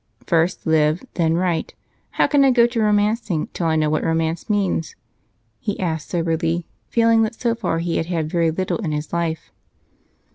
"First live, then write. How can I go to romancing till I know what romance means?" he asked soberly, feeling that so far he had had very little in his life.